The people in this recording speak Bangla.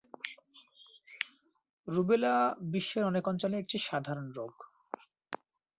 রুবেলা বিশ্বের অনেক অঞ্চলে একটি সাধারণ রোগ।